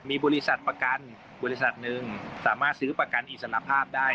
มีบริษัทประกันบริษัทหนึ่งสามารถซื้อประกันอิสระภาพได้